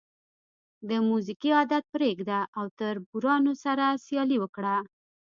د موزیګي عادت پرېږده او تربورانو سره سیالي وکړه.